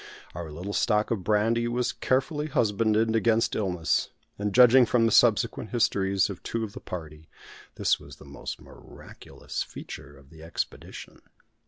Our little stock of brandy was carefully husbanded, against illness; and, judging from the subsequent histories of two of the party, this was the most miraculous feature of the expedition.